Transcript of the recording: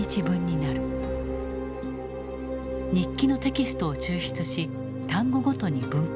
日記のテキストを抽出し単語ごとに分解。